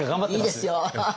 いいですよ！